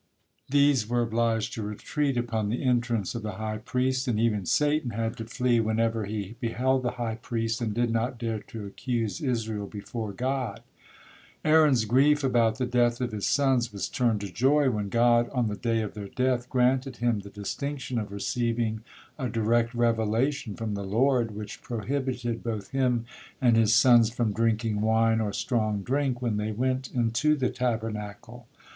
These were obliged to retreat upon the entrance of the high priest, and even Satan had to flee whenever he beheld the high priest, and did not dare to accuse Israel before God. Aaron's grief about the death of his sons was turned to joy when God, on the day of their death, granted him the distinction of receiving a direct revelation from the Lord, which prohibited both him and his sons from drinking wine or strong drink when they went into the Tabernacle.